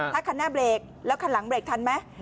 ถ้าคันหน้าเบรกแล้วคันหลังเบรกทันไหม